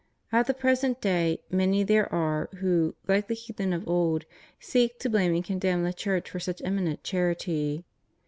At the present day many there are who, like the heathen of old, seek to blame and condemn the Church for such eminent charity.